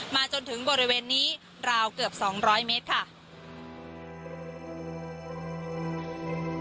จนถึงบริเวณนี้ราวเกือบ๒๐๐เมตรค่ะ